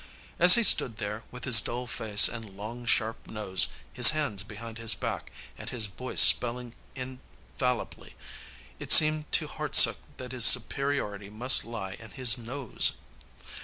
As he stood there, with his dull face and long, sharp nose, his hands behind his back, and his voice spelling infallibly, it seemed to Hartsook that his superiority must lie in his nose.